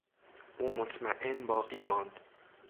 او مطمئن باقی ماند.